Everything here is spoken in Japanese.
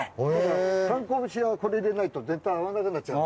『炭坑節』はこれでないと絶対合わなくなっちゃう。